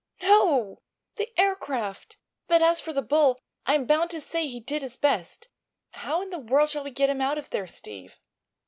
"No; the aircraft. But as for the bull, I'm bound to say he did his best. How in the world shall we get him out of there, Steve?"